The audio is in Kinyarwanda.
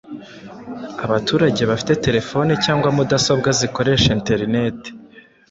Abaturage bafite terefoni cyangwa mudasobwa zikoresha interineti